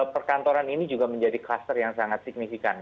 perkantoran ini juga menjadi kluster yang sangat signifikan